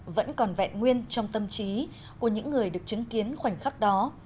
vẫn còn vẹn nguyên trong tâm trí của những người được chứng kiến khoảnh khắc đó